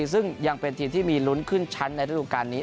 ซึ่งยังเป็นทีมที่มีลุ้นขึ้นชั้นในฤดูการนี้